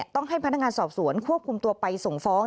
ต้องให้พนักงานสอบสวนควบคุมตัวไปส่งฟ้อง